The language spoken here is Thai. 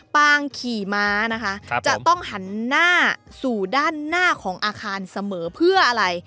ปางขี่ม้านะคะจะต้องหันหน้าสู่ด้านหน้าของอาคารเสมอเพื่ออะไร